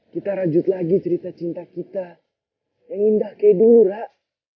kita rajut lagi cerita cinta kita yang indah kayak dulu rak